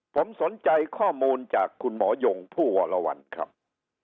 ผมสนใจข้อมูลจากคุณหมอยงผู้วรวรรณครับ